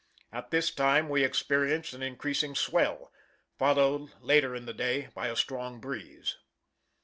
At this time we experienced an increasing swell, followed later in the day by a strong breeze.